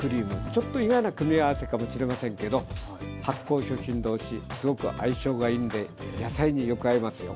ちょっと意外な組み合わせかもしれませんけど発酵食品同士すごく相性がいいんで野菜によく合いますよ。